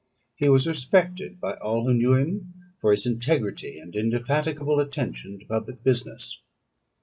He was respected by all who knew him, for his integrity and indefatigable attention to public business.